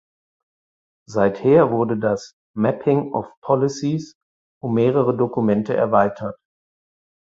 Seither wurde das "Mapping of Policies" um mehrere Dokumente erweitert.